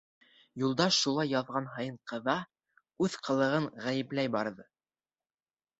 Юлдаш шулай яҙған һайын ҡыҙа, үҙ ҡылығын ғәйепләй барҙы.